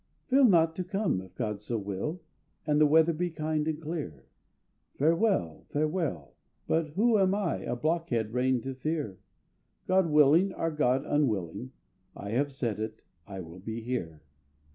"Fail not to come, if God so will, And the weather be kind and clear." "Farewell, farewell! But who am I A blockhead rain to fear? God willing or God unwilling, I have said it, I will be here."